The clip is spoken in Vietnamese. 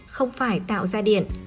không phải tạo ra điện